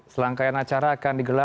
selangkaian acara akan digelar